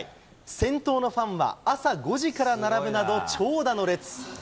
先頭のファンは朝５時から並ぶなど、長蛇の列。